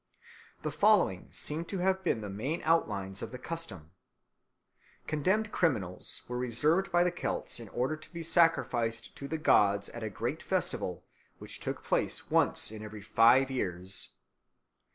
The following seem to have been the main outlines of the custom. Condemned criminals were reserved by the Celts in order to be sacrificed to the gods at a great festival which took place once in every five years.